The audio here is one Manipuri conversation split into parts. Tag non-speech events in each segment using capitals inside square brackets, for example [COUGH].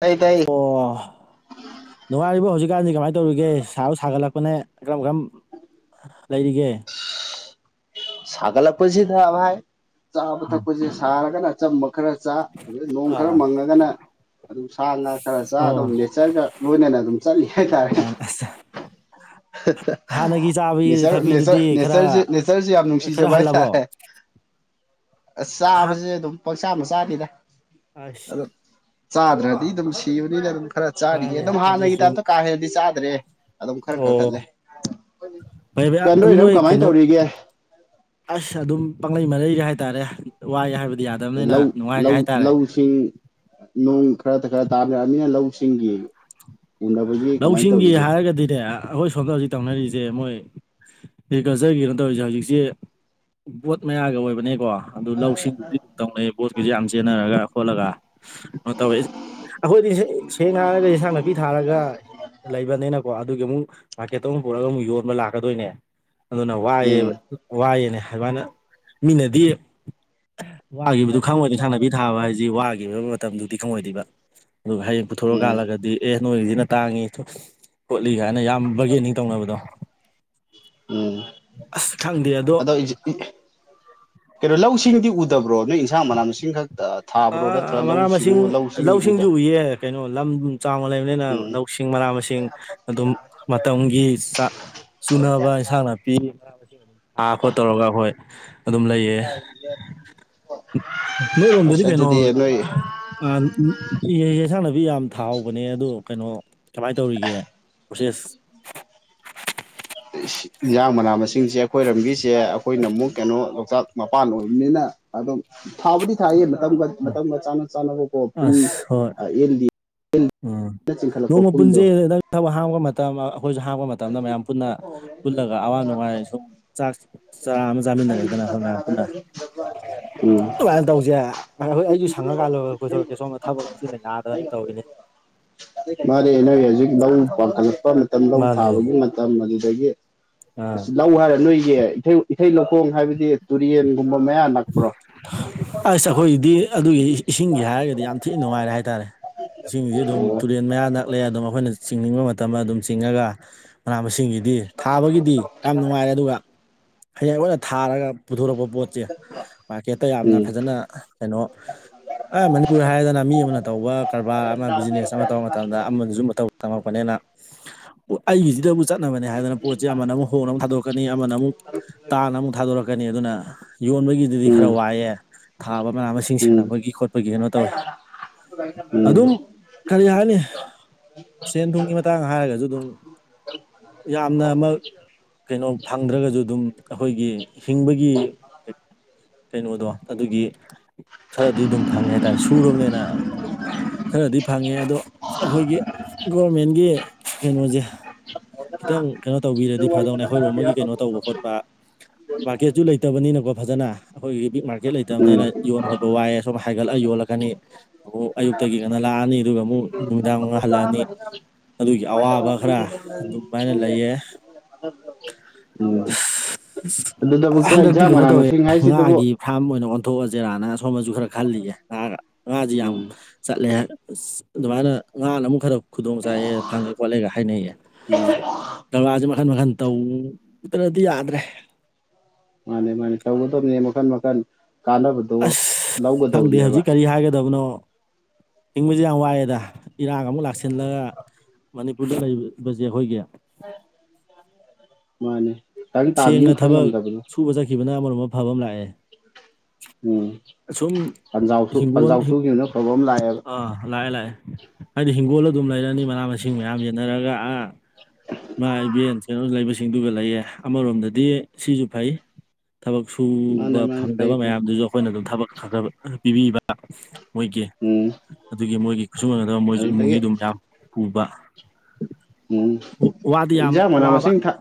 ꯇꯥꯏ ꯇꯥꯏ ꯑꯣ ꯅꯨꯡꯉꯥꯏꯔꯤꯕ ꯍꯧꯖꯤꯛꯀꯥꯟꯗꯤ ꯀꯃꯥꯏꯅ ꯇꯧꯔꯤꯒꯦ ꯁꯥꯁꯨ ꯁꯥꯒꯠꯂꯛꯄꯅꯦ ꯀꯔꯝ ꯀꯔꯝ ꯂꯩꯔꯤꯒꯦ ꯁꯥꯒꯠꯂꯛꯄꯁꯤꯗ ꯕꯥꯢ ꯆꯥꯕ ꯎꯝ ꯊꯛꯄꯁꯤ ꯁꯥꯔꯒꯅ ꯑꯆꯝꯕ ꯈꯔ ꯆꯥ ꯑꯗꯨ ꯅꯣꯡ ꯈꯔ ꯑꯥ ꯃꯪꯉꯒꯅ ꯑꯗꯨꯝ ꯁꯥ ꯉꯥ ꯈꯔ ꯆꯥ ꯑꯗꯨꯝ ꯑꯣ ꯅꯦꯆꯔꯒ ꯂꯣꯏꯅꯅ ꯑꯗꯨꯝ ꯆꯠꯂꯤ ꯍꯥꯏꯇꯥꯔꯦ ꯃꯥꯅꯦ ꯑꯁ ꯍꯥꯟꯅꯒꯤ [UNINTELLIGIBLE] ꯆꯥꯕꯤ ꯅꯦꯆꯔ ꯊꯛꯄꯤꯗꯨꯗꯤ ꯈꯔ ꯅꯦꯆꯔ ꯅꯦꯆꯔꯁꯤ ꯌꯥꯝ ꯅꯨꯡꯁꯤ ꯈꯔ ꯁꯤꯖꯕ ꯍꯜꯂꯕꯣ ꯍꯥꯏꯇꯥꯔꯦ ꯑꯁ ꯆꯥꯕꯁꯦ ꯑꯗꯨꯝ ꯄꯪꯆꯥ ꯃꯆꯥꯗꯦꯗ ꯑꯁ ꯑꯗꯨꯝ ꯆꯥꯗ꯭ꯔꯗꯤ ꯑꯗꯨꯝ ꯁꯤꯕꯅꯤꯅ ꯑꯗꯨꯝ ꯈꯔ ꯆꯥꯔꯤꯌꯦ ꯃꯥꯅꯦ ꯑꯗꯨꯝ ꯑꯗꯨꯁꯨ ꯍꯥꯟꯅꯒꯤ ꯆꯨꯝ ꯇꯥꯢꯞꯇ ꯀꯥ ꯍꯦꯅꯗꯤ ꯆꯥꯗ꯭ꯔꯦ ꯑꯗꯨꯝ ꯈꯔ ꯑꯣ ꯀꯛꯊꯠꯂꯦ ꯐꯩ ꯐꯩ ꯀꯟ ꯑꯗꯨ ꯅꯣꯏꯔꯣꯝ ꯅꯣꯏ ꯀꯃꯥꯏꯅ ꯀꯩꯅꯣ ꯇꯧꯔꯤꯒꯦ ꯑꯁ ꯑꯗꯨꯝ ꯄꯥꯡꯂꯩ ꯃꯔꯩꯒ ꯍꯥꯏꯇꯥꯔꯦ ꯋꯥꯏ ꯍꯥꯏꯕꯗꯤ ꯌꯥꯗꯕꯅꯤꯅ ꯂꯧ ꯅꯨꯡꯉꯥꯏꯔꯦ ꯂꯧ ꯍꯥꯏꯇꯥꯔꯦ ꯂꯧꯁꯤꯡ ꯅꯣꯡ ꯈꯔ ꯈꯔ ꯇꯥꯅꯔꯛꯅꯤꯅ ꯂꯧꯁꯤꯡꯒꯤ ꯎꯅꯕꯒꯤ ꯀꯃꯥꯏꯅ ꯂꯧꯁꯤꯡꯒꯤ ꯇꯧꯔꯤꯒꯦ ꯍꯥꯏꯔꯒꯗꯤꯅꯦ ꯑꯩꯈꯣꯏ ꯁꯣꯝꯗ ꯍꯧꯖꯤꯛ ꯇꯧꯅꯔꯤꯁꯦ ꯃꯣꯏ ꯑꯦꯒ꯭ꯔꯤꯀꯜꯆꯔꯒꯤ ꯀꯩꯅꯣ ꯇꯧꯔꯤꯁꯦ ꯍꯧꯖꯤꯛꯁꯦ ꯕꯣꯠ ꯃꯌꯥꯒ ꯑꯣꯏꯕꯅꯦꯀꯣ ꯑꯗꯨ ꯂꯧꯁꯤꯡꯕꯨꯗꯤ ꯇꯧꯅꯩ ꯕꯣꯠꯀꯤꯁꯨ ꯌꯥꯝ ꯆꯦꯟꯅꯔꯒ ꯈꯣꯠꯂꯒ ꯀꯩꯅꯣ ꯇꯧꯋꯦ ꯑꯩꯈꯣꯏꯗꯤꯁꯦ ꯁꯦꯡꯅꯥ ꯍꯥꯢꯔꯒ ꯏꯟꯁꯥꯡ ꯅꯥꯄꯤ ꯊꯥꯔꯒ ꯂꯩꯕꯅꯤꯅꯀꯣ ꯑꯗꯨꯒꯤ ꯑꯃꯨꯛ ꯃꯥꯔꯀꯦꯠꯇ ꯑꯃꯨꯛ ꯄꯨꯔꯛꯒ ꯑꯃꯨꯛ ꯌꯣꯟꯕ ꯂꯥꯛꯀꯗꯣꯏꯅꯦ ꯑꯗꯨꯅ ꯋꯥꯏꯑ ꯎꯝ ꯋꯥꯏꯑꯦꯅꯦ ꯑꯗꯨꯃꯥꯢꯅ ꯃꯤꯅꯗꯤ ꯋꯥꯒꯤꯈꯤꯕꯗꯨ ꯈꯪꯉꯣꯏꯗ ꯏꯁꯥꯟꯅꯕꯤ ꯊꯥꯕ ꯍꯥꯏꯁꯤ ꯋꯥꯈꯤꯕ ꯃꯇꯝꯗꯨꯗꯤ ꯈꯪꯉꯣꯏꯗꯣꯏꯕ ꯑꯗꯨꯒ ꯍꯌꯦꯡ ꯄꯨꯊꯣꯔꯛ ꯎꯝ ꯀꯥꯜꯂꯒꯗꯤ ꯑꯦ ꯅꯣꯏꯒꯤꯁꯤꯅ ꯇꯥꯡꯉꯤ ꯈꯣꯠꯂꯤ ꯀꯥꯏꯅ ꯌꯥꯝ ꯕꯔꯒꯦꯅꯤꯡ ꯇꯧꯅꯕꯗꯣ ꯎꯝ ꯑꯁ ꯈꯪꯗꯦ ꯑꯗꯣ [UNINTELLIGIBLE] ꯀꯩꯅꯣ ꯂꯧꯁꯤꯡꯗꯤ ꯎꯗꯕ꯭ꯔꯣ ꯅꯣꯏ ꯏꯟꯁꯥꯡ ꯃꯅꯥ ꯃꯁꯤꯡꯈꯛ ꯑꯥ ꯃꯅꯥ ꯃꯁꯤꯡ ꯂꯧꯁꯤꯡꯗꯤ ꯎꯗ ꯂꯧꯁꯤꯡꯁꯨ ꯎꯌꯦ ꯀꯩꯅꯣ ꯂꯝ ꯆꯥꯎꯅ ꯂꯩꯕꯅꯤꯅ ꯎꯝ ꯂꯧꯁꯤꯡ ꯃꯅꯥ ꯃꯁꯤꯡ ꯑꯗꯨꯝ ꯃꯇꯝꯒꯤ ꯆꯥꯛ ꯆꯨꯅꯕ ꯏꯟꯁꯥꯡ ꯅꯥꯄꯤꯅ ꯃꯅꯥ ꯃꯁꯤꯡ ꯑꯗꯨꯝ ꯊꯥ ꯈꯣꯠ ꯇꯧꯔꯒ ꯍꯣꯏ ꯑꯗꯨꯝ ꯂꯩꯌꯦ ꯅꯣꯏꯔꯣꯝꯗꯗꯤ ꯑꯁ ꯀꯩꯅꯣ ꯑꯗꯨꯗꯤ ꯅꯣꯏ ꯌꯦꯟꯁꯥꯡꯅꯕꯤ ꯌꯥꯝ ꯊꯥꯍꯧꯕꯅꯦ ꯑꯗꯨ ꯀꯩꯅꯣ ꯀꯃꯥꯏꯟ ꯇꯧꯔꯤꯒꯦ ꯄꯣꯁꯦꯁ ꯏꯟꯁꯥꯡ ꯃꯅꯥ ꯃꯁꯤꯡꯁꯦ ꯑꯩꯈꯣꯏꯔꯝꯕꯤꯁꯦ ꯑꯩꯈꯣꯏꯅ ꯑꯃꯨꯛ ꯀꯩꯅꯣ ꯂꯣꯛꯇꯥꯛ ꯃꯄꯥꯟ ꯑꯣꯏꯕꯅꯤꯅ ꯑꯗꯨꯝ ꯊꯥꯕꯨꯗꯤ ꯊꯥꯏꯌꯦ ꯃꯇꯝꯒ ꯃꯇꯝꯒ ꯆꯥꯟꯅ ꯆꯥꯅꯕꯀꯣ ꯄꯨꯡ ꯑꯁ ꯍꯣꯏ ꯌꯦꯟ ꯎꯝ ꯅꯣꯡꯃ ꯄꯨꯟꯖꯩ ꯅꯪ ꯊꯕꯛ ꯍꯥꯡꯕ ꯃꯇꯝ ꯑꯩꯈꯣꯏꯁꯨ ꯍꯥꯡꯄ ꯃꯇꯝꯗ ꯃꯌꯥꯝ ꯄꯨꯟꯅ ꯄꯨꯜꯂꯒ ꯑꯋꯥ ꯅꯨꯡꯉꯥꯏ ꯁꯨꯝ ꯆꯥꯛ ꯆꯔꯥ ꯑꯃ ꯆꯥꯃꯤꯟꯅꯔꯦꯗꯅ ꯑꯩꯈꯣꯏ ꯃꯌꯥꯝ ꯄꯨꯟꯅ ꯎꯝ ꯀꯃꯥꯏꯅ ꯇꯧꯁꯦ ꯍꯣꯏ ꯑꯩꯁꯨ ꯁꯪꯉꯀꯥꯟꯂ ꯀꯣꯏꯊꯣꯔꯛꯀꯦ ꯁꯣꯝꯗ ꯊꯕꯛꯁꯤꯅ ꯅꯥꯗꯅ ꯇꯧꯔꯤꯅꯦ ꯃꯥꯅꯦ ꯅꯣꯏ ꯍꯧꯖꯤꯛ ꯂꯧ ꯄꯥꯈꯠꯂꯛꯄ ꯃꯇꯝ ꯂꯧ ꯃꯥꯅꯦ ꯊꯥꯕꯒꯤ ꯃꯇꯝ ꯑꯗꯨꯗꯒꯤ ꯑꯥ ꯑꯁ ꯂꯧ ꯍꯥꯏꯔ ꯅꯣꯏ ꯏꯊꯩ ꯏꯊꯩ ꯂꯧꯈꯣꯡ ꯍꯥꯏꯕꯗꯤ ꯇꯨꯔꯦꯟꯒꯨꯝꯕ ꯃꯌꯥ ꯅꯛꯄ꯭ꯔꯣ ꯑꯁ ꯑꯩꯈꯣꯏꯒꯤꯗꯤ ꯑꯗꯨꯒꯤ ꯏꯁꯤꯡꯒꯤ ꯍꯥꯏꯔꯒꯗꯤ ꯌꯥꯝ ꯊꯤꯅ ꯅꯨꯡꯉꯥꯏꯔꯦ ꯍꯥꯏꯇꯥꯔꯦ ꯏꯁꯤꯡꯁꯤ ꯑꯗꯨꯝ ꯑꯣ ꯇꯨꯔꯦꯟ ꯃꯌꯥ ꯅꯛꯂꯦ ꯑꯗꯨꯝ ꯑꯩꯈꯣꯏꯅ ꯆꯤꯡꯅꯤꯡꯕ ꯃꯇꯝꯗ ꯑꯗꯨꯝ ꯆꯤꯡꯉꯒ ꯃꯅꯥ ꯃꯁꯤꯡꯒꯤꯗꯤ ꯊꯥꯕꯒꯤꯗꯤ ꯌꯥꯝ ꯅꯨꯡꯉꯥꯏꯔꯦ ꯑꯗꯨꯒ ꯍꯌꯦꯡ ꯑꯈꯣꯏꯅ ꯊꯥꯔꯒ ꯄꯨꯊꯣꯔꯛꯄ ꯄꯣꯠꯁꯦ ꯃꯥꯔꯀꯦꯠꯇ ꯌꯥꯝꯅ ꯎꯝ ꯐꯖꯅ ꯀꯩꯅꯣ ꯑꯦ ꯃꯅꯤꯄꯨꯔ ꯍꯥꯏꯔꯗꯅ ꯃꯤ ꯑꯃꯅ ꯇꯧꯕ ꯀꯔꯕꯥꯔ ꯑꯃ ꯕꯤꯖꯤꯅꯦꯁ ꯑꯃ ꯇꯧꯕꯔ ꯃꯇꯝꯗ ꯑꯃꯗꯁꯨ ꯃꯇꯧ ꯇꯝꯃꯛꯄꯅꯤꯅ [INAUDIBLE] ꯑꯩꯒꯤꯁꯤꯗꯕꯨ ꯆꯠꯅꯕꯅꯦ ꯍꯥꯏꯗꯅ ꯄꯣꯠꯁꯦ ꯑꯃꯅꯃꯨꯛ ꯍꯣꯡꯅ ꯑꯃꯨꯛ ꯊꯥꯗꯣꯔꯛꯀꯅꯤ ꯑꯃꯅ ꯑꯃꯨꯛ ꯇꯥꯅ ꯑꯃꯨꯛ ꯊꯥꯗꯣꯔꯛꯀꯅꯤ ꯑꯗꯨꯅ ꯌꯣꯟꯕꯒꯤꯗꯨꯗꯤ ꯎꯝ ꯈꯔ ꯋꯥꯏꯑꯦ ꯊꯥꯕ ꯃꯅꯥ ꯃꯁꯤꯡ ꯎꯝ ꯁꯦꯅꯕꯒꯤ ꯈꯣꯠꯄꯒꯤ ꯀꯩꯅꯣ ꯇꯧꯋꯦ ꯎꯝ ꯑꯗꯨꯝ ꯀꯔꯤ ꯍꯥꯏꯅꯤ ꯁꯦꯟ ꯊꯨꯝꯒꯤ ꯃꯇꯥꯡ ꯍꯥꯏꯔꯒꯁꯨ ꯑꯗꯨꯝ ꯌꯥꯝꯅꯃꯛ ꯀꯩꯅꯣ ꯐꯪꯗ꯭ꯔꯒꯁꯨ ꯑꯗꯨꯝ ꯑꯩꯈꯣꯏꯒꯤ ꯍꯤꯡꯕꯒꯤ ꯀꯩꯅꯣꯗꯣ ꯑꯗꯨꯒꯤ ꯈꯔꯗꯤ ꯑꯗꯨꯝ ꯐꯪꯉꯦ ꯍꯥꯏꯇꯥꯔꯦ ꯁꯨꯔꯕꯅꯦꯅ ꯈꯔꯗꯤ ꯐꯪꯉꯦ ꯑꯗꯣ ꯑꯩꯈꯣꯏꯒꯤ ꯒꯣꯔꯃꯦꯟꯒꯤ ꯀꯩꯅꯣꯖ‌ꯦ ꯈꯤꯇꯪ ꯀꯩꯅꯣ ꯇꯧꯕꯤꯔꯗꯤ ꯐꯗꯧꯅꯦ ꯑꯩꯈ‌ꯣꯏꯔꯣꯝꯕꯒꯤ ꯀꯩꯅꯣ ꯇꯧꯕ ꯈꯣꯠꯄ ꯃꯥꯔꯀꯦꯠꯁꯨꯨ ꯂꯩꯇꯕꯅꯤꯅꯀꯣ ꯐꯖꯅ ꯑꯩꯈꯣꯏꯒꯤ ꯕꯤꯛ ꯃꯥꯔꯀꯦꯠ ꯂꯩꯇꯕꯅꯤꯅ ꯎꯝ ꯌꯣꯟ ꯈ‌ꯣꯠ ꯋꯥꯏ ꯑꯁꯨꯝ ꯍꯥꯏꯒꯠꯂ ꯌꯣꯜꯂꯛꯀꯅꯤ ꯑꯗꯨ ꯑꯌꯨꯛꯇꯒꯤ ꯉꯟ ꯂꯥꯛꯑꯅꯤ ꯑꯗꯨꯒ ꯑꯃꯨꯛ ꯅꯨꯃꯤꯗꯥꯡ ꯃꯨꯛ ꯍꯜꯂꯛꯑꯅꯤ ꯑꯗꯨꯒꯤ ꯑꯋꯥꯕ ꯈꯔ ꯑꯗꯨꯃꯥꯏꯅ ꯂꯩꯌꯦ ꯎꯝ [UNINTELLIGIBLE] ꯑꯗꯨꯗꯕꯨꯛꯇ ꯍꯟꯗꯛꯇꯤ ꯏꯟꯖꯥꯡ ꯀꯩꯅꯣ ꯃꯅꯥ ꯇꯧꯋꯦ ꯃꯁꯤꯡ ꯉꯥꯒꯤ ꯍꯥꯏꯁꯤꯗꯕꯨ ꯐꯥꯔꯝ ꯑꯣꯏꯅ ꯑꯣꯟꯊꯣꯛꯑꯖ‌ꯦꯔꯥꯅ ꯁꯣꯝꯗꯁꯨ ꯈꯔ ꯈꯜꯂꯤꯌ‌ꯦ ꯑ ꯉꯥꯖꯤ ꯌꯥꯝ ꯎꯝ ꯆꯠꯂꯦ ꯑꯁ ꯑꯗꯨꯃꯥꯏꯅ ꯉꯅ ꯑꯃꯨꯛ ꯈꯔ ꯈꯨꯗꯣꯡ ꯆꯥꯏꯌꯦ ꯐꯪꯉꯦ ꯈꯣꯠꯂꯦꯒ ꯍꯥꯏꯅꯩꯌꯦ ꯖꯒꯥꯁꯦ ꯃꯈꯟ ꯃꯈꯟ ꯇꯧꯗ꯭ꯔꯗꯤ ꯌꯥꯗ꯭ꯔꯦ ꯃꯥꯅꯦ ꯃꯥꯅꯦ ꯇꯧꯒꯗꯕꯅꯦ ꯃꯈꯟ ꯃꯈꯟ ꯀꯥꯟꯅꯕ ꯑꯁ ꯈꯪꯗꯦ ꯍꯧꯖꯤꯛ ꯀꯔꯤ ꯍꯥꯏꯒꯗꯕꯅꯣ ꯍꯤꯡꯕꯁꯦ ꯌꯥꯝ ꯋꯥꯏꯑꯦꯗ ꯏꯔꯥꯡ ꯑꯃꯨꯛ ꯂꯥꯛꯁꯤꯜꯂꯛ ꯃꯅꯤꯄꯨꯔꯗ ꯂꯩꯕꯁꯦ ꯈ‌ꯣꯏꯒꯤ ꯃꯥꯅꯦ ꯇꯪ ꯇꯥꯕꯤ ꯁꯦꯡꯅ ꯑꯃ ꯈꯪ ꯊꯕꯛ ꯉꯝꯗꯕꯤꯗꯣ ꯁꯨꯕ ꯆꯠꯈꯤꯕꯅ ꯑꯃꯔꯣꯝꯗ ꯐꯕ ꯑꯃ ꯂꯥꯛꯑꯦ ꯎꯝ ꯑ ꯁꯨꯝ ꯄꯟꯖꯥꯎꯁꯨ ꯍꯤꯡꯒꯣꯟ ꯄꯟꯖꯥꯎ ꯁꯨꯈꯤꯕꯅ ꯑꯐꯕ ꯑꯃ ꯂꯥꯛꯑꯦꯕ ꯑꯥ ꯂꯥꯛꯑꯦ ꯂꯥꯛꯑꯦ ꯑꯩꯗꯤ ꯍꯤꯡꯒꯣꯜ ꯑꯗꯨꯝ ꯂꯩꯔꯅꯤ ꯃꯅꯥ ꯃꯁꯤꯡ ꯃꯌꯥꯝ ꯌꯦꯟꯅꯔꯒ ꯑ ꯏꯃꯥ ꯏꯕꯦꯟ ꯀꯩꯅ‌ꯣ ꯂꯩꯕꯁꯤꯡꯗꯨꯒ ꯂꯩꯌꯦ ꯑꯃꯔꯣꯝꯗꯗꯤ ꯁꯤꯁꯨ ꯐꯩ ꯊꯕꯛ ꯃꯥꯅꯦ ꯁꯨꯕ ꯃꯥꯅꯦ ꯐꯩ ꯐꯪꯗꯕ ꯐꯩ ꯃꯌꯥꯝꯗꯨꯁꯨ ꯑꯩꯈꯣꯏꯅ ꯑꯗꯨꯝ ꯊꯕꯛ ꯈꯔ ꯈꯔ ꯄꯤꯕꯤꯕ ꯃꯣꯏꯒꯤ ꯎꯝ ꯑꯗꯨꯒꯤ ꯃꯣꯏꯒꯤ ꯈꯨꯠꯁꯨꯃꯟꯗ‌ꯣ ꯃꯣꯏꯁꯨ ꯑꯗꯨꯗꯒꯤ ꯏꯃꯨꯡꯒꯤ ꯑꯗꯨꯝ ꯌꯥꯝ ꯄꯨꯕ ꯎꯝ ꯋꯥꯗꯤ ꯌꯥꯝ ꯏꯟꯖꯥꯡ ꯃꯅꯥ ꯋꯥꯕ ꯃꯁꯤꯡ ꯊꯥ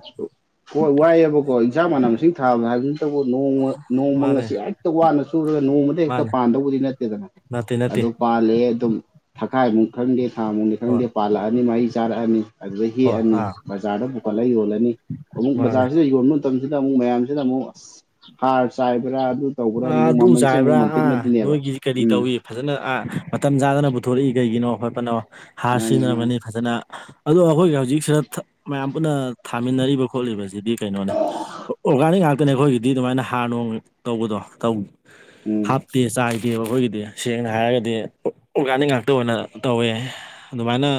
ꯍꯣꯏ ꯋꯥꯏꯑꯦꯕꯀꯣ ꯑꯦꯟꯖꯥꯡ ꯃꯅꯥ ꯃꯁꯤꯡ ꯊꯥꯕ ꯍꯥꯏꯕꯁꯤꯇꯕꯨ ꯅꯣꯡꯃ ꯅꯣꯡꯃ ꯃꯥꯅꯦ ꯉꯁꯤ ꯍꯦꯛꯇ ꯋꯥꯅ ꯆꯨꯔꯒ ꯅꯣꯡꯃꯗ ꯍꯦꯛꯇ ꯃꯥꯅꯦ ꯄꯥꯟꯗꯧꯕꯗꯤ ꯅꯠꯇꯦꯗꯅ ꯅꯠꯇꯦ ꯅꯠꯇꯦ ꯑꯗ‌ꯣ ꯄꯥꯟ ꯂꯛꯑꯦ ꯑꯗꯨꯝ ꯊꯈꯥꯏꯃꯨꯛ ꯈꯪꯗꯦ ꯊꯥꯃꯨꯛꯅꯤ ꯍꯣꯏ ꯈꯪꯗꯦ ꯄꯥꯜꯂꯛꯑꯅꯤ ꯃꯍꯩ ꯆꯥꯔꯛꯑꯅꯤ ꯑꯗꯨꯗ ꯍꯣꯏ ꯍꯦꯛꯑꯅꯤ ꯑꯥ ꯕꯖꯥꯔꯗ ꯄꯨꯈꯠꯂ ꯌꯣꯜꯂꯅꯤ ꯑꯃꯨꯛ ꯃꯥꯅꯦ ꯕꯖꯥꯔꯁꯤꯗ ꯌꯣꯟꯕ ꯃꯇꯝꯁꯤꯗ ꯑꯃꯨꯛ ꯃꯌꯥꯝꯁꯤꯅꯃꯨꯛ ꯍꯥꯔ ꯆꯥꯏꯕ꯭ꯔꯥ ꯑꯗꯨ ꯇꯧꯕ꯭ꯔꯥ ꯑꯥ ꯑꯃꯨꯛ ꯑꯗꯨ ꯃꯃꯟꯁꯦ ꯑꯃꯨꯛ ꯆꯥꯏꯕ꯭ꯔꯥ ꯑꯥ ꯃꯟꯇꯤꯛꯅꯗꯨꯏꯅꯦꯕ ꯅꯣꯏꯒꯤ ꯀꯔꯤ ꯎꯝ ꯇꯧꯏ ꯐꯖꯅ ꯃꯇꯝ ꯆꯥꯗꯅ ꯄꯨꯊꯣꯔꯛꯏ ꯀꯩꯒꯤꯅꯣ ꯈꯣꯠꯄꯅꯣ ꯍꯥꯔ ꯃꯥꯅꯦ ꯃꯥꯅꯦ ꯁꯤꯖꯤꯟꯅꯔꯝꯒꯅꯤ ꯐꯖꯅ ꯑꯗꯣ ꯑꯩꯈꯣꯏꯒꯤ ꯍꯧꯖꯤꯛꯁꯤꯗ ꯃꯌꯥꯝ ꯄꯨꯟꯅ ꯊꯥꯃꯤꯟꯅꯔꯤꯕ ꯈꯣꯠꯂꯤꯕꯁꯤꯗꯤ ꯀꯩꯅꯣꯅꯤ ꯑꯣꯔꯒꯥꯅꯤꯛ ꯉꯥꯛꯇꯅꯦ ꯑꯩꯈꯣꯏꯒꯤꯗꯤ ꯑꯗꯨꯃꯥꯏꯅ ꯍꯥꯔ ꯅꯨꯡ ꯇꯧꯕꯗꯣ ꯇꯧ ꯎꯝ ꯍꯥꯞ ꯇꯦ ꯆꯥꯏꯗꯦꯕ ꯑꯩꯈꯣꯏꯒꯤꯗꯤ ꯁꯦꯡꯅ ꯍꯥꯏꯔꯒꯗꯤ ꯑꯣꯑꯣꯔꯒꯥꯅꯤꯛ ꯉꯥꯛꯇ ꯑꯣꯏꯅ ꯇꯧꯋꯦ ꯑꯗꯨꯃꯥꯏꯅ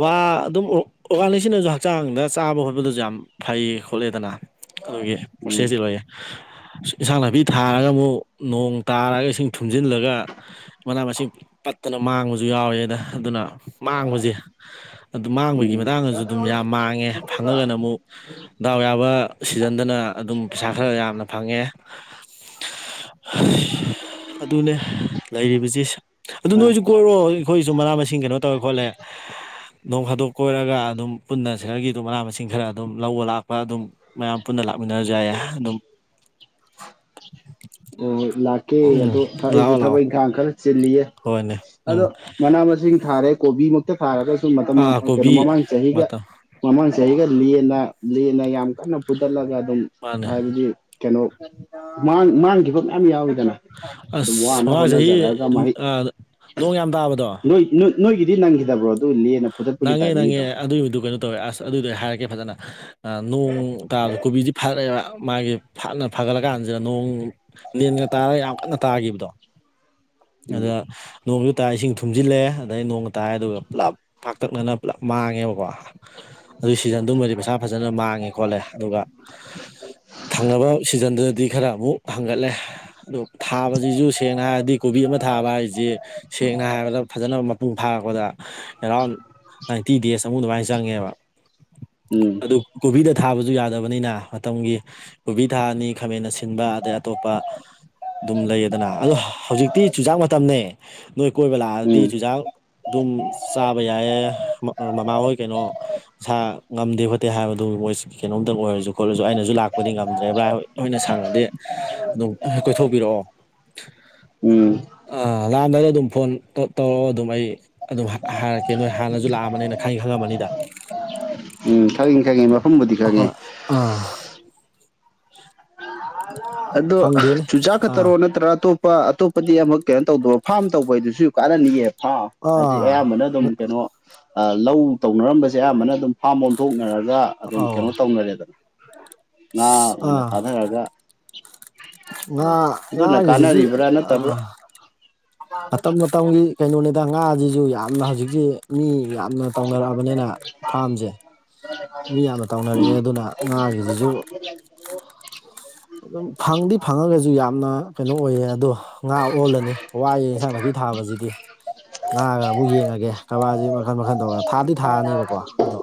ꯋꯥ ꯑꯗꯨꯝ ꯑꯣ ꯑꯣꯔꯒꯥꯅꯤꯛꯁꯤꯅꯁꯨ ꯍꯛ ꯆꯥꯡꯗ ꯆꯥꯕ ꯈꯣꯠꯄꯗꯁꯨ ꯌꯥꯝ ꯐꯩ ꯈꯣꯠꯂꯦꯗꯅ ꯑꯗꯨꯒꯤ ꯎꯝ ꯄ꯭ꯔꯣꯁꯦꯁꯇꯤ ꯂꯩꯌꯦ ꯏꯟꯁꯥꯡ ꯅꯥꯄꯤ ꯊꯥꯔꯒ ꯑꯃꯨꯛ ꯅꯣꯡ ꯇꯥꯔꯒ ꯏꯁꯤꯡ ꯊꯨꯝꯖꯤꯜꯂꯒ ꯃꯅꯥ ꯃꯁꯤꯡ ꯄꯠꯇꯅ ꯃꯥꯡꯕꯁꯨ ꯌꯥꯎꯋꯦꯗ ꯑꯗꯨꯅ ꯃꯥꯡꯕꯁꯦ ꯑꯗꯨ ꯃꯥꯡꯕꯒꯤ ꯎꯝ ꯃꯇꯥꯡꯗꯁꯨ ꯑꯗꯨꯝ ꯌꯥꯝ ꯃꯥꯡꯉꯦ ꯐꯪꯉꯒꯅ ꯑꯃꯨꯛ ꯗꯥꯎ ꯌꯥꯕ ꯁꯤꯖꯟꯗꯅ ꯑꯗꯨꯝ ꯄꯩꯁꯥ ꯈꯔ ꯌꯥꯝꯅ ꯐꯪꯉꯦ ꯑꯗꯨꯅꯦ ꯂꯩꯔꯤꯕꯁꯤꯦ ꯑꯗꯨ ꯃꯥ ꯅꯣꯏꯁꯨ ꯀꯣꯏꯔꯣ ꯑꯩꯈꯣꯏꯁꯨ ꯃꯅꯥ ꯃꯁꯤꯡ ꯀꯩꯅꯣ ꯇꯧꯔꯦ ꯈꯣꯠꯂꯦ ꯅꯣꯡ ꯈꯥꯗꯣꯛ ꯀꯣꯏꯔꯒ ꯑꯗꯨꯝ ꯄꯨꯟꯅ ꯁꯦꯔꯒꯤꯗꯨꯣ ꯃꯅꯥ ꯃꯁꯤꯡ ꯈꯔ ꯑꯗꯨꯝ ꯂꯧꯕ ꯂꯥꯛꯄ ꯑꯗꯨꯝ ꯃꯌꯥꯝ ꯄꯨꯟꯅ ꯂꯥꯛꯃꯤꯟꯅꯖꯏ ꯑꯗꯨꯝ ꯑꯣ ꯂꯥꯛꯀꯦ ꯎꯝ ꯑꯗꯣ ꯑꯩꯁꯨ ꯂꯥꯛꯑꯣ ꯂꯥꯛꯑꯣ ꯊꯕꯛ ꯏꯪꯈꯥꯡ ꯈꯔ ꯆꯤꯜꯂꯤꯌꯦ ꯍꯣꯏꯅꯦ ꯎꯝ ꯑꯗꯣ ꯃꯅꯥ ꯃꯁꯤꯡ ꯊꯥꯔꯦ ꯀꯣꯕꯤꯃꯨꯛꯇ ꯍꯦꯛꯇ ꯐꯥꯔꯒꯁꯨ ꯃꯇꯝ ꯑꯥ ꯀꯩꯅꯣ ꯀꯣꯕꯤ ꯃꯃꯥꯡ ꯆꯍꯤꯒ ꯃꯇꯝ ꯃꯃꯥꯡ ꯆꯍꯤꯒ ꯂꯦꯅ ꯂꯦꯅ ꯌꯥꯝ ꯀꯟꯅ ꯐꯨꯊꯠꯂꯒ ꯑꯗꯨꯝ ꯃꯥꯅꯦ ꯍꯥꯏꯕꯗꯤ ꯀꯩꯅꯣꯥꯡ ꯃꯥꯡꯈꯤꯕ ꯃꯌꯥꯝ ꯌꯥꯎꯔꯤꯗꯅ ꯑꯗꯨꯝ ꯑꯁ ꯋꯥꯅ ꯃꯃꯥꯡ ꯆꯍꯤ ꯍꯣꯠꯅꯖꯔꯛꯑꯒ ꯃꯍꯩ ꯑ ꯅꯣꯡ ꯌꯥꯝ ꯇꯥꯕꯗꯣ ꯅꯣꯏ ꯅꯣꯏꯒꯤꯗꯤ ꯅꯪꯈꯤꯗꯕ꯭ꯔꯣ ꯑꯗꯨ ꯂꯦꯅ ꯐꯨꯊꯠꯄꯒꯤ ꯇꯥꯏꯃꯤꯡꯒꯤꯗꯣ ꯑꯗꯨꯏꯒꯤꯗꯨ ꯀꯩꯅꯣ ꯇꯧꯋꯦ ꯑꯁ ꯑꯗꯨꯗꯩ ꯍꯥꯏꯔꯛꯀꯦ ꯐꯖꯅ ꯅꯣꯡ ꯇꯥꯕꯗ ꯀꯣꯕꯤꯁꯤ ꯐꯔꯛꯑꯦꯕ ꯃꯥꯒꯤ ꯐꯠꯅ ꯐꯒꯠꯂ ꯀꯥꯟꯁꯤꯗ ꯅꯣꯡ ꯅꯦꯟꯒ ꯇꯥꯔꯒ ꯌꯥꯝ ꯀꯟꯅ ꯇꯥꯈꯤꯕꯗꯣ ꯎꯝ ꯑꯗ ꯅꯣꯡꯁꯨ ꯇꯥꯏꯔ ꯏꯁꯤꯡ ꯊꯨꯝꯖꯤꯜꯂꯛꯑꯦ ꯑꯗꯩ ꯅꯣꯡꯒ ꯇꯥꯏ ꯑꯗꯨꯒ ꯄꯨꯂꯞ ꯄꯥꯛꯇꯛꯅꯅ ꯄꯨꯂꯞ ꯃꯥꯡꯉꯦꯕꯀꯣ ꯑꯗꯨ ꯁꯤꯖꯟꯗꯨꯃꯗꯤ ꯄꯩꯁꯥ ꯐꯖꯅ ꯃꯥꯡꯉꯦ ꯈꯣꯠꯂꯦ ꯑꯗꯨꯒ ꯊꯥꯡꯅꯕ ꯁꯤꯖꯟꯗꯨꯗꯗꯤ ꯈꯔ ꯑꯃꯨꯛ ꯍꯪꯒꯠꯂꯦ ꯑꯗꯣ ꯊꯥꯕꯁꯤꯁꯨ ꯁꯦꯡꯅ ꯍꯥꯏꯔꯗꯤ ꯀꯣꯕꯤ ꯑꯃ ꯊꯥꯕ ꯍꯥꯏꯁꯦ ꯁꯦꯡꯅ ꯍꯥꯏꯔꯕꯗ ꯐꯖꯅ ꯃꯄꯨꯡ ꯐꯥꯔꯛꯄꯗ ꯑꯦꯔꯥꯎꯟ ꯅꯥꯏꯟꯇꯤ ꯗꯦꯖ ꯑꯃꯨꯛ ꯑꯗꯨꯃꯥꯏꯅ ꯆꯪꯉꯦꯕ ꯎꯝ ꯑꯗꯨ ꯀꯣꯕꯤꯗ ꯊꯥꯕꯁꯨ ꯌꯥꯗꯕꯅꯤꯅ ꯃꯇꯝꯒꯤ ꯀꯣꯕꯤ ꯊꯥꯅꯤ ꯈꯥꯃꯦꯟ ꯁꯤꯟꯕ ꯑꯗꯩ ꯑꯇꯣꯞꯄ ꯑꯗꯨꯝ ꯂꯩꯌꯦꯗꯅ ꯑꯗꯣ ꯍꯧꯖꯤꯛ ꯇꯤ ꯆꯨꯖꯥꯛ ꯃꯇꯝꯅꯤꯅꯦ ꯅꯣꯏ ꯀꯣꯏꯕ ꯂꯥꯛꯑꯗꯤ ꯎꯝ ꯆꯨꯖꯥꯛ ꯑꯗꯨꯝ ꯆꯥꯕ ꯌꯥꯏꯌꯦ ꯃꯃꯥ ꯍꯣꯏ ꯀꯩꯅꯣ ꯏꯁꯥ ꯉꯝꯗꯦ ꯈꯣꯠꯇꯦ ꯍꯥꯏꯕꯗꯨ ꯃꯣꯏ ꯀꯩꯅꯣꯝꯇꯪ ꯑꯣꯏꯔꯁꯨ ꯈꯣꯠꯂꯁꯨ ꯑꯩꯅꯁꯨ ꯂꯥꯛꯄꯗꯤ ꯉꯝꯗ꯭ꯔꯦꯕ꯭ꯔ ꯑꯩꯣꯏ ꯑꯣꯏꯅ ꯁꯥꯡꯉꯗꯤ ꯑꯗꯨꯝ ꯀꯣꯏꯊꯣꯛꯤꯔꯛꯑꯣ ꯎꯝ ꯑ ꯂꯥꯟꯗꯥꯗ ꯑꯗꯨꯝ ꯐꯣꯟ ꯇꯧꯔꯒ ꯑꯗꯨꯝ ꯑꯩ ꯑꯗꯨꯝ ꯍꯥꯏꯔꯛꯀꯦ ꯅꯣꯏ ꯍꯥꯟꯅꯁꯨ ꯂꯥꯛꯑꯝꯕꯅ‌ꯦꯅ ꯈꯪꯗꯤ ꯈꯪꯉꯝꯃꯅꯤꯗ ꯎꯝ ꯈꯪꯉꯤ ꯈꯪꯉꯤ ꯃꯐꯝꯕꯨꯗꯤ ꯈꯪꯉꯦ ꯑꯥ ꯆ ꯑꯗꯣ ꯆꯨꯖꯥꯛ ꯑꯥ ꯈꯛꯇꯔꯣ ꯅꯠꯇ꯭ꯔꯥ ꯑꯇꯣꯞ ꯑꯄ ꯑꯇꯣꯞꯄꯗꯤ ꯑꯃꯛ ꯀꯩꯅꯣ ꯇꯧꯗꯕ ꯐꯥꯝ ꯇꯧꯕꯩꯗꯨꯁꯨ ꯀꯥꯟꯅꯅꯤꯉꯦꯕ ꯍꯥ ꯍꯧꯖꯤꯛ ꯑꯥ ꯑꯌꯥꯝꯕꯅ ꯑꯗꯨꯝ ꯀꯩꯅꯣ ꯑ ꯂꯧ ꯇꯧꯅꯔꯝꯕꯁꯦ ꯑꯌꯥꯝꯕꯅ ꯑꯗꯨꯝ ꯐꯥꯝ ꯑꯣꯟꯊꯣꯛꯅꯔꯒ ꯑꯗꯨꯝ ꯑꯧ ꯀꯩꯅꯣ ꯇꯧꯅꯔꯦꯗꯅ ꯉꯥ ꯑꯣꯏꯅ ꯑꯥ ꯊꯥꯗꯔꯒ ꯉꯥ ꯑꯗꯨꯅ ꯉꯥꯒꯤꯁꯤꯁꯨ ꯀꯥꯟꯅꯔꯤꯕ꯭ꯔꯥ ꯅꯠꯇꯕ꯭ꯔꯥ ꯑꯥ ꯃꯇꯝ ꯃꯇꯝꯒꯤ ꯀꯩꯅꯣꯅꯤꯗ ꯉꯥꯁꯤꯁꯨ ꯌꯥ ꯌꯥꯝꯅ ꯍꯧꯖꯤꯛꯁꯤ ꯃꯤ ꯌꯥꯝꯅ ꯇꯧꯅꯔꯛꯑꯕꯅꯤꯅ ꯐꯥꯔꯝꯁꯦ ꯃꯤ ꯌꯥꯝꯅ ꯎꯝ ꯇꯧꯅꯔꯛꯑꯦ ꯑꯗꯨꯅ ꯉꯥꯖꯤꯡꯖꯤꯖꯨ ꯑꯗꯨꯝ ꯐꯪꯗꯤ ꯐꯪꯉꯒꯖꯨ ꯌꯥꯝꯅ ꯀꯩꯅꯣ ꯑꯣꯏꯌꯦ ꯑꯗꯣ ꯉꯥ ꯑꯣꯜꯂꯅꯤ ꯋꯥꯏꯑꯦ ꯏꯟꯁꯥꯡ ꯅꯥꯄꯤ ꯊꯥꯕꯖꯤꯗꯤ ꯉꯥꯒꯅ ꯑꯃꯨꯛ ꯌꯦꯡꯉꯒꯦ ꯀꯔꯕꯥꯔꯁꯤ ꯃꯈꯜ ꯃꯈꯜ ꯇꯧꯔꯒ ꯊꯥꯗꯤ ꯊꯥꯔꯅꯤꯕꯀꯣ ꯑꯗꯣ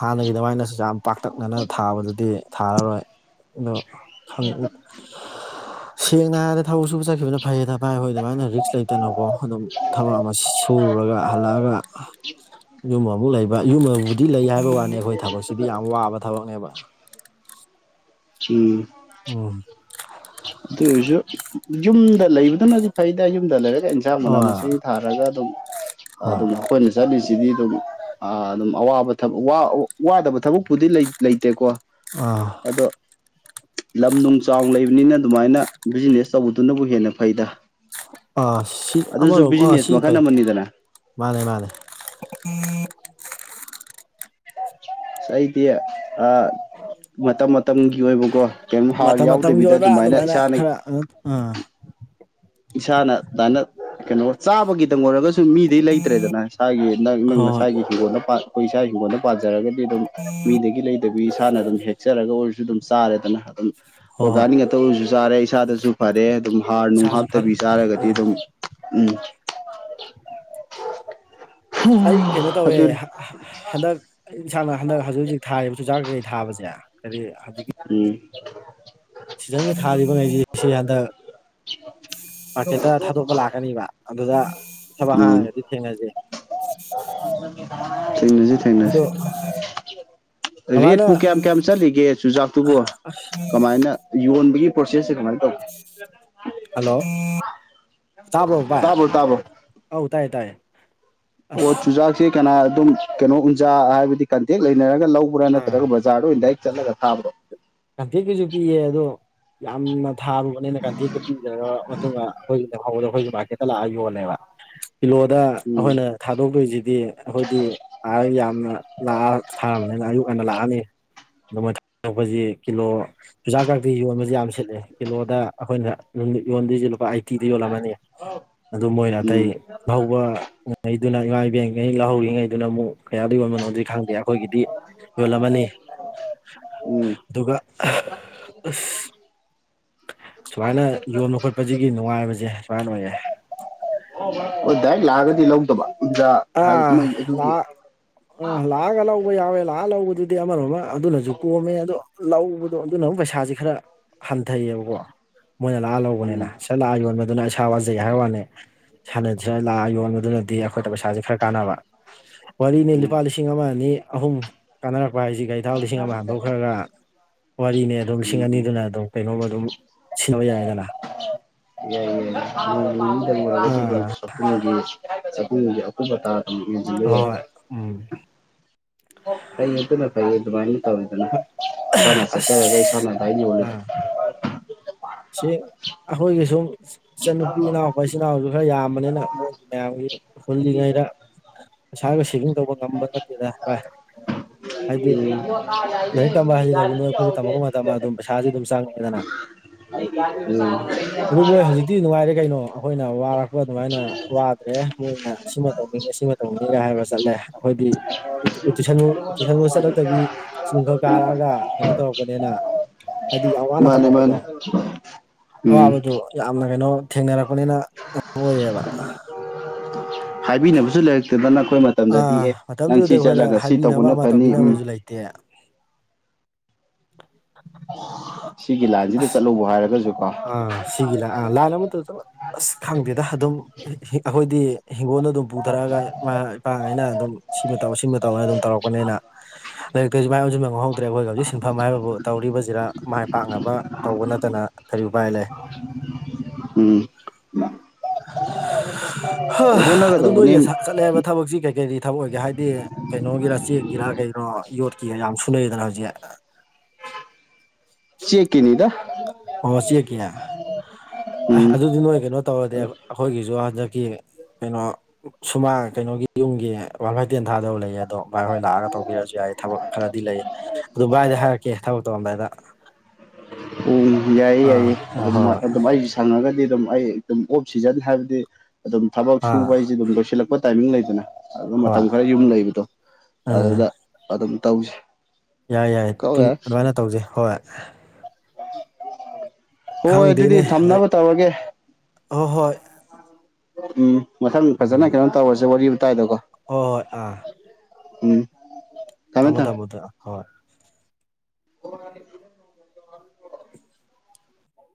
ꯍꯥꯟꯅꯒꯤ ꯑꯗꯨꯃꯥꯏꯅꯁꯨ ꯌꯥꯝ ꯄꯥꯛꯇꯛꯅꯅ ꯊꯥꯕꯗꯗꯤ ꯊꯥꯔꯔꯣꯏ ꯑꯗꯣ ꯈꯪ ꯁꯦꯡꯅ ꯍꯥꯏꯔꯛ ꯊꯕꯛ ꯁꯨꯕ ꯆꯠꯈꯤꯕꯅ ꯐꯩꯌꯦ ꯊꯚꯥꯏ ꯑꯩꯈꯣꯏ ꯑꯗꯨꯃꯥꯏꯅ ꯔꯤꯛꯁ ꯂꯩꯇꯅꯀꯣ ꯑꯗꯨꯝ ꯊꯕꯛ ꯑꯃ ꯁꯨꯔꯒ ꯍꯜꯂꯛꯑꯒ ꯑ ꯌꯨꯃꯗ ꯂꯩ ꯕ ꯌꯨꯝꯕꯕꯨꯗꯤ ꯂꯩ ꯍꯥꯏꯕ ꯋꯥꯅꯤ ꯑꯩꯈꯣꯏ ꯊꯕꯛꯁꯤꯗꯤ ꯌꯥꯝ ꯋꯥꯕ ꯊꯕꯛꯅꯦꯕ ꯆꯨ ꯎꯝ ꯑꯗꯨ ꯑꯣꯏꯔꯁꯨ ꯌꯨꯝꯗ ꯂꯩꯕꯗꯨꯅꯗꯤ ꯐꯩꯗ ꯌꯨꯝꯗ ꯂꯩꯔꯒ ꯏꯟꯖꯥꯡ ꯃꯅꯥ ꯍꯣꯏ ꯃꯁꯤꯡ ꯊꯥꯔꯒ ꯑꯗꯨꯝ ꯍꯣꯏ ꯑꯗꯨꯝ ꯑꯩꯈꯣꯏꯅ ꯆꯠꯂꯤꯁꯤꯗꯤ ꯑꯗꯨꯝ ꯑꯥ ꯑꯗꯨꯝ ꯑꯋꯥꯕ ꯊꯕꯛ ꯋꯥ ꯋꯥꯗꯕ ꯊꯕꯛꯄꯨꯗꯤ ꯂꯩ ꯂꯩꯇꯦꯀꯣ ꯑꯥ ꯑꯗꯣ ꯂꯝ ꯅꯨꯡ ꯆꯥꯎꯅ ꯂꯩꯕꯅꯤꯅ ꯑꯗꯨꯃꯥꯏꯅ ꯕꯤꯖꯤꯅꯦꯁ ꯇꯧꯕꯗꯨꯅꯕꯨ ꯍꯦꯟꯅ ꯐꯩꯗ ꯑꯥ ꯁꯤ ꯑꯗꯨꯁꯨ ꯑꯃꯔꯣꯝ ꯑꯥ ꯕꯤꯖꯤꯅꯦꯁ ꯁꯤꯁꯨ ꯃꯈꯜ ꯐꯩ ꯑꯃꯅꯤꯗꯅ ꯃꯥꯅꯦ ꯃꯥꯅꯦ ꯑꯁ ꯑꯩꯗꯤ ꯑ ꯃꯇꯝ ꯃꯇꯝꯒꯤ ꯑꯣꯏꯕꯀꯣ ꯀꯩꯝ ꯍꯥꯔ ꯃꯇꯝ ꯃꯇꯝꯒꯤ ꯌꯥꯎꯗꯕꯤꯗ ꯑꯣꯏꯕ ꯑꯗꯨꯃꯥꯏꯅ ꯏꯁꯥꯅ ꯈꯔ ꯑꯪ ꯏꯁꯥꯅ ꯑꯗꯨꯃꯥꯏꯅ ꯀꯩꯅꯣ ꯆꯥꯕꯒꯤꯗꯪ ꯑꯣꯏꯔꯒꯁꯨ ꯃꯤꯗꯩ ꯂꯩꯇ꯭ꯔꯦꯗꯅ ꯏꯁꯥꯒꯤ ꯅꯪ ꯅꯪ ꯍꯣꯏ ꯍꯣꯏ ꯅꯁꯥꯒꯤ ꯍꯤꯡꯒꯣꯜꯗ ꯑꯩꯈꯣꯏ ꯏꯁꯥꯒꯤ ꯍꯤꯡꯒꯣꯜꯗ ꯄꯥꯟꯖꯔꯒ ꯑꯗꯨꯝ ꯃꯤꯗꯒꯤ ꯂꯩꯗꯕꯤ ꯏꯁꯥꯅ ꯑꯗꯨꯝ ꯍꯦꯛꯆꯔꯒ ꯑꯣꯏꯔꯁꯨ ꯑꯗꯨꯝ ꯆꯥꯔꯦꯗꯅ ꯑꯗꯨꯝ ꯍꯣꯏ ꯑꯣꯔꯒꯥꯅꯤꯛ ꯉꯥꯛꯇ ꯑꯣꯏꯖꯨ ꯆꯥꯔꯦ ꯏꯁꯥꯗꯁꯨ ꯐꯔꯦ ꯑꯗꯨꯝ ꯍꯥꯔ ꯅꯨꯡ ꯏꯁꯥꯁꯨ ꯍꯥꯞ ꯐ ꯇꯕꯤ ꯆꯥꯔꯒꯗꯤ ꯑꯥ ꯑꯗꯨꯝ ꯎꯝ ꯑꯩ ꯀꯩꯅꯣ ꯇꯧꯋꯦ ꯑꯗꯨꯅꯤ ꯍꯥ ꯍꯥ ꯍꯟꯗꯛ ꯑꯩ ꯏꯁꯥꯅ ꯍꯟꯗꯛ ꯍꯧꯖꯤꯛ ꯍꯧꯖꯤꯛ ꯊꯥꯔꯤꯕ ꯆꯨꯖꯥꯛ ꯀꯀꯩ ꯊꯥꯕꯖ‌ꯦ ꯀꯔꯤ ꯍꯧꯖꯤꯛꯀꯤ ꯎꯝ ꯁꯤꯖꯟꯒꯤ ꯊꯥꯔꯤꯕꯉꯩꯗꯤ ꯁꯤ ꯍꯟꯗꯛ ꯃꯥꯔꯀꯦꯠꯇ ꯊꯥꯗꯣꯛꯄ ꯂꯥꯛꯀꯅꯤꯕ ꯑꯗꯨꯗ ꯊꯕꯛ ꯎꯝ ꯍꯥꯡꯉꯒꯗꯤ ꯊꯦꯡꯅꯖꯦ ꯊꯦꯡꯅꯖ‌ꯦ ꯊꯦꯡꯅꯖ‌ꯦ ꯀꯃꯥꯏꯅ ꯔꯦꯠꯄꯨ ꯀꯌꯥꯝ ꯀꯌꯥꯝ ꯆꯠꯂꯤꯒꯦ ꯆꯨꯖꯥꯛꯇꯨꯕ‌ꯣ ꯀꯃꯥꯏꯅ ꯌꯣꯟꯕꯒꯤ ꯄ꯭ꯔꯣꯁꯦꯁꯁꯦ ꯀꯃꯥꯏꯅ ꯇꯧꯏ ꯍꯜꯂꯣ ꯇꯥꯕ꯭ꯔꯣ ꯕꯥꯏ ꯑꯧ ꯇꯥꯏ ꯇꯥꯏꯌ‌ꯦ ꯑꯣ ꯆꯨꯖꯥꯛꯁꯦ ꯀꯅꯥ ꯑꯗꯨꯝ ꯀꯩꯅꯣ ꯎꯟꯖꯥ ꯍꯥꯏꯕꯗꯤ ꯀꯟꯇꯦꯛ ꯂꯩꯅꯔꯒ ꯂꯧꯕ꯭ꯔꯥ ꯑꯥ ꯅꯠꯇ꯭ꯔꯒ ꯕꯖ ꯖꯥꯔꯗ ꯑꯣꯏꯅ ꯗꯥꯏꯛ ꯆꯠꯂꯒ ꯊꯥꯕ꯭ꯔꯣ ꯀꯟꯇꯦꯛꯀꯤꯖꯨ ꯄꯤꯌꯦ ꯑꯗꯣ ꯌꯥꯝꯅ ꯊꯥꯔꯨꯕꯅꯤꯅ ꯀꯟꯇꯦꯛꯇꯨ ꯄꯤꯈ꯭ꯔꯕ ꯃꯇꯨꯡꯗ ꯑꯩꯈꯣꯏꯒꯤ ꯂꯦꯝꯍꯧꯕꯗꯣ ꯑꯩꯈꯣꯏꯒꯤ ꯃꯥꯔꯀꯦꯠꯇ ꯂꯥꯛꯑꯒ ꯌꯣꯜꯂꯦꯕ ꯀꯤꯂꯣꯗ ꯎꯝ ꯑꯩꯈꯣꯏꯅ ꯊꯥꯗꯣꯛꯇꯣꯏꯁꯤꯗꯤ ꯑꯩꯈꯣꯏꯗꯤ ꯌꯥꯝꯅ ꯂꯥꯛꯑ ꯊꯥꯔꯕꯅꯤꯅ ꯑꯌꯨꯛ ꯉꯥꯟꯅ ꯂꯥꯛꯑꯅꯤ ꯑꯗꯨꯃꯥꯏ ꯊꯗꯣꯛꯄꯖꯤ ꯀꯤꯂꯣ ꯆꯨꯖꯥꯛ ꯀꯛꯇꯤ ꯌꯣꯟꯕꯁꯦ ꯌꯥꯝ ꯁꯤꯠꯂꯦ ꯀꯤꯂꯣꯗ ꯑꯩꯈꯣꯏꯅ ꯌꯣꯟꯗꯣꯏꯁꯤ ꯂꯨꯄꯥ ꯑꯩ ꯇꯤꯗ ꯌꯣꯜꯂꯝꯃꯅꯤ ꯑꯗꯨ ꯃꯣꯏꯅ ꯎꯝ ꯑꯇꯩ ꯋꯥ ꯍꯩꯗꯨꯅ ꯏꯃꯥ ꯏꯕꯦꯟꯉꯩ ꯂꯧꯍꯧꯔꯤꯉꯩꯗꯨꯅ ꯑꯃꯨꯛ ꯀꯌꯥꯗ ꯌꯣꯟꯕꯅꯣꯗꯤ ꯑꯗꯨꯗꯤ ꯈꯪꯗꯦ ꯑꯩꯈꯣꯏꯒꯤꯗꯤ ꯌꯣꯜꯃꯅꯤ ꯎꯝ ꯑꯗꯨꯒ ꯑꯁ ꯁꯨꯃꯥꯏꯅ ꯌꯣꯟꯕ ꯈꯣꯠꯄꯁꯤꯒꯤ ꯅꯨꯡꯉꯥꯏꯕꯁꯦ ꯁꯨꯃꯥꯏꯅ ꯑꯣꯏꯌꯦ ꯍꯣꯏ ꯗꯥꯏꯔꯦꯛ ꯂꯥꯛꯑꯒꯗꯤ ꯂꯧꯗꯕ ꯌꯨꯝꯗ ꯑꯥ ꯂꯥꯛ ꯑꯥ ꯂꯥꯛ ꯂꯥꯛꯑꯒ ꯂꯧꯕ ꯌꯥꯎꯋꯦ ꯂꯥꯛꯑꯒ ꯂꯧꯕꯗꯨꯗꯤ ꯑꯃꯔꯣꯝ ꯑꯃ ꯑꯗꯨꯅꯖꯨ ꯀꯣꯝꯃꯦ ꯑꯗꯣ ꯂꯧꯕꯗꯣ ꯑꯗꯨꯅ ꯑꯃꯨꯛ ꯄꯩꯁꯥꯁꯦ ꯈꯔ ꯍꯟꯊꯩꯌꯦꯕꯀꯣ ꯃꯣꯏꯅ ꯂꯥꯛꯑ ꯂꯧꯕꯅꯤꯅ ꯎꯝ ꯁꯥ ꯂꯥꯛꯑ ꯌꯣꯟꯕꯗꯨꯅ ꯑꯁ ꯏꯁꯥ ꯋꯥꯖꯩ ꯍꯥꯏꯕ ꯋꯥꯅꯤ ꯏꯁꯥꯟꯅꯖꯥ ꯂꯥꯛꯑ ꯌꯣꯟꯕꯗꯨꯅꯗꯤ ꯑꯩꯈꯣꯏꯗ ꯄꯩꯁꯥꯁꯦ ꯈꯔ ꯀꯥꯟꯅꯕ ꯋꯥꯔꯤꯅꯤ ꯎꯝ ꯂꯨꯄꯥ ꯂꯤꯁꯤꯡ ꯑꯃ ꯑꯅꯤ ꯑꯍꯨꯝ ꯀꯥꯟꯅꯔꯛꯄ ꯍꯥꯏꯁꯤ ꯒꯔꯤ ꯊꯥꯎ ꯂꯤꯁꯤꯡ ꯑꯃ ꯍꯟꯗꯣꯛꯈ꯭ꯔꯒ ꯋꯥꯔꯤꯅꯦ ꯑꯗꯨꯝ ꯂꯤꯁꯤꯡ ꯎꯝ ꯎꯝ ꯑꯅꯤꯗꯨꯅ ꯑꯗꯨꯝ ꯀꯩꯅꯣꯝꯃ ꯑꯗꯨꯝ ꯁꯤꯖꯤꯟꯅꯕ ꯌꯥꯏꯗꯅ ꯁ ꯁ ꯑꯥ ꯕ ꯏ ꯍꯣꯏ ꯍꯥꯏ ꯎꯝ ꯐꯩ ꯑꯗꯨꯅ ꯐꯩ ꯑꯗꯨꯃꯥꯏꯅ ꯇꯧꯔꯤꯗꯅ ꯏꯁꯥꯅ ꯑꯁ ꯆꯠꯆꯔꯒ ꯏꯁꯥꯅ ꯑꯗꯨꯗꯥꯥꯏꯅ ꯌꯣꯂ ꯑꯥ ꯁꯤ ꯑꯩꯈꯣꯏꯒꯤ ꯁꯨꯝ ꯏꯆꯟꯅꯨꯄꯤ ꯏꯅꯥꯎ ꯏꯆꯤꯟ ꯏꯅꯥꯎꯁꯨ ꯈꯔ ꯌꯥꯝꯕꯅꯤꯅ ꯃꯣꯏꯒꯤ ꯃꯌꯥꯝꯒꯤ ꯍꯨꯜꯂꯤꯉꯩꯗ ꯏꯁꯥꯒ ꯁꯦꯚꯤꯡ ꯇꯧꯕ ꯉꯝꯕ ꯅꯠꯇ [INAUDIBLE] ꯂꯥꯏꯔꯤꯛ ꯗꯤꯑꯣ ꯇꯝꯕ ꯍꯥꯏꯁꯤꯗꯕꯨ ꯅꯣꯏ ꯑꯩꯈꯣꯏꯁꯨ ꯇꯝꯃꯛꯄ ꯃꯇꯝꯗ ꯂ ꯑꯗꯨꯝ ꯄꯩꯁꯥꯁꯦ ꯑꯗꯨꯝ ꯆꯪꯉꯛꯑꯦꯗꯅ ꯀꯗꯦ ꯃꯥ ꯑꯗꯨ ꯃꯣꯏ ꯍꯧꯖꯤꯛꯇꯤ ꯅꯨꯡꯉꯥꯏꯔꯦ ꯀꯩꯅꯣ ꯑꯩꯈꯣꯏꯅ ꯋꯥꯔꯛꯄ ꯑꯗꯨꯃꯥꯏꯅ ꯭ꯔꯦ ꯃꯣꯏꯅ ꯁꯤꯃ ꯇꯧꯅꯤꯡꯉꯦ ꯁꯤꯃ ꯇꯧꯉꯦꯒ ꯍꯥꯏꯕ ꯆꯠꯂꯦ ꯑꯩꯈꯣꯏꯗꯤ ꯇꯨꯏꯁꯟ ꯇꯨꯏꯁꯟꯕꯨ ꯆꯠꯂꯛꯇꯕꯤ ꯁ ꯈꯔ ꯀꯥꯔꯛꯑꯒ ꯀꯩꯅꯣ ꯇꯧꯔꯛꯄꯅꯤꯅ ꯍꯥꯏꯗꯤ ꯌꯥꯝ ꯋꯥꯅ ꯃꯥꯅꯦ ꯇꯝꯃꯛꯄꯗꯣ ꯃꯥꯅꯦ ꯎꯝ ꯑꯋꯥꯕꯗꯨ ꯌꯥꯝꯅ ꯀꯩꯅꯣ ꯊꯦꯡꯅꯔꯛꯄꯅꯤꯅ ꯑꯣꯏꯌꯦꯕ ꯍꯥꯏꯕꯤꯅꯕꯁꯨ ꯂꯩꯔꯛꯇꯗ ꯅ ꯑꯩꯈꯣꯏ ꯃꯇꯝꯗꯗꯤ ꯑꯥ ꯑꯦ ꯅꯪ ꯃꯇꯝꯗꯨꯗ ꯁꯤ ꯑꯩꯈꯣꯏꯅ ꯆꯠꯂꯒ ꯁꯤ ꯍꯥꯏꯕꯤꯅꯕ ꯇꯧꯕꯅ ꯑꯃ ꯐꯅꯤ ꯎꯝ ꯇꯧꯕꯤꯅꯕꯁꯨ ꯂꯩꯇꯦ ꯁꯤꯒꯤ ꯂꯥꯏꯟꯁꯤꯗ ꯆꯠꯂꯧꯕ ꯍꯥꯏꯔꯒꯁꯨ ꯀꯣ ꯑꯥ ꯁꯤꯒꯤ ꯂꯥꯟ ꯑꯥ ꯂꯥꯟ ꯑꯃꯇ ꯆꯠꯂ ꯑꯁ ꯈꯪꯗꯦꯗ ꯑꯗꯨꯝ ꯑꯩꯈꯣꯏꯗꯤ ꯍꯤꯡꯒꯣꯜꯗ ꯑꯗꯨꯝ ꯄꯨꯊꯔꯛꯑꯒ ꯏꯃꯥ ꯏꯄꯥꯉꯩꯅ ꯑꯗꯨꯝ ꯁꯤꯃ ꯃꯇꯧ ꯁꯤ ꯃꯇꯧꯅ ꯑꯗꯨꯝ ꯇꯧꯔꯛꯄꯅꯤꯅ [INAUDIBLE] ꯂꯥꯏꯔꯤꯛꯇꯩꯁꯨ ꯃꯥꯏ ꯑꯣꯟꯕ ꯉꯝꯍꯧꯗ꯭ꯔꯦ ꯑꯩꯈꯣꯏꯒꯤ ꯍꯧꯖꯤꯛ ꯁꯤꯟꯐꯝ ꯍꯥꯏꯕꯕꯨ ꯇꯧꯔꯤꯕꯁꯤꯗ ꯃꯥꯏ ꯄꯥꯛꯅꯕ ꯇꯧꯕ ꯅꯠꯇꯅ ꯀꯔꯤ ꯎꯄꯥꯏ ꯂꯩ ꯎꯝ ꯍ ꯑꯗꯨ ꯍꯣꯠꯅꯒꯗꯧꯕꯅꯤ ꯅꯣꯏꯅꯦ ꯁꯥ ꯆꯠꯂꯦꯕ ꯊꯕꯛꯁꯤ ꯀꯩ ꯀꯔꯤ ꯊꯕꯛ ꯑꯣꯏꯒꯦ ꯍꯥꯏꯗꯤ ꯀꯩꯅꯣꯒꯤꯔꯥ ꯆꯦꯛꯀꯤꯔꯥ ꯀꯩꯒꯤꯔꯥ ꯌꯣꯠꯀꯤꯔ ꯌꯥꯝ ꯁꯨꯅꯩꯗꯅ ꯍꯧꯖꯤꯛ ꯆꯀꯤꯅꯤꯗ ꯑꯣ ꯆꯦꯛꯀꯤꯅꯦ ꯑ ꯎꯝ ꯑꯗꯨꯗꯤ ꯅꯣꯏ ꯀꯩꯅꯣ ꯇꯧꯔꯗꯤ ꯑꯩꯈꯣꯏꯒꯤꯁꯨ ꯍꯟꯗꯛꯀꯤ ꯀꯩꯅꯣ ꯁꯨꯃꯥꯡ ꯀꯩꯅꯣꯒꯤ ꯌꯨꯝꯒꯤ ꯋꯥꯜ ꯐꯚꯥꯏ ꯇꯦꯟ ꯊꯥꯗꯕ ꯂꯩꯌꯦ ꯑꯗꯣ ꯚꯥꯏ ꯍꯣꯏ ꯂꯥꯛꯑꯒ ꯇꯧꯕꯤꯔꯁꯨ ꯌꯥꯏ ꯊꯕꯛ ꯈꯔꯗꯤ ꯂꯩꯌꯦ ꯑꯗꯨꯗꯨꯕꯥꯥꯏꯗ ꯍꯥꯔꯛꯦ ꯊꯒ ꯇꯣꯗꯏꯗ ꯎꯝ ꯌꯥꯏꯌꯦ ꯑꯥ ꯑꯥ ꯍꯣꯏ ꯌꯥꯏꯌꯦꯃ ꯁꯪꯉꯒꯗꯤ ꯑꯗꯨꯝ ꯑꯩ ꯑꯗꯨꯝ ꯑꯣꯞ ꯁꯤꯖꯟ ꯍꯥꯏꯕꯗꯤ ꯑꯗꯨꯝ ꯊꯕꯛ ꯍꯣꯏ ꯑꯥ ꯁꯨꯕ ꯑꯩꯁꯦ ꯑꯗꯨꯝ ꯂꯣꯏꯁꯤꯜꯂꯛꯄ ꯇꯥꯏꯃꯤꯡ ꯂꯩꯗꯅ ꯑꯗꯨ ꯍꯣꯏ ꯃꯇꯝ ꯈꯔ ꯌꯨꯝ ꯂꯩꯕꯗꯣ ꯎꯝ ꯑꯗꯨꯗ ꯑꯗꯨꯝ ꯇꯧꯁꯤ ꯌꯥꯏ ꯌꯥꯏ ꯑꯗꯨꯃꯥꯏꯅ ꯇꯧꯁꯤꯩ ꯍꯣꯏ ꯍꯣꯏ ꯑꯗꯨꯗꯤ ꯊꯝꯅꯕ ꯇꯧꯔꯒꯦ ꯑ ꯍꯣꯏ ꯎꯝ ꯃꯊꯪ ꯐꯖꯅ ꯀꯩꯅꯣ ꯇꯧꯔꯁꯦ ꯋꯥꯔꯤ ꯋꯥꯇꯥꯏꯗꯀꯣ ꯍ ꯍꯣꯏ ꯑꯥ ꯎꯝ ꯊꯝꯃꯦ ꯊꯝꯃꯣ ꯊꯝꯃꯦ ꯊꯝꯃꯣꯗ ꯍꯣꯏ [UNINTELLIGIBLE]